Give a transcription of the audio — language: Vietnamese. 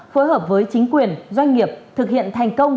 phối hợp với chính quyền doanh nghiệp thực hiện thành công